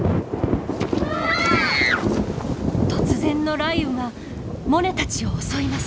突然の雷雨がモネたちを襲います。